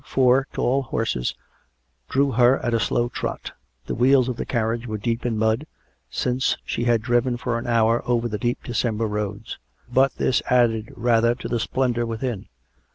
Four tall horses drew her at a slow trot: the wheels of the carriage were deep in mud, since she had driven for an hour over the deep December roads; but this added rather to the splendour within.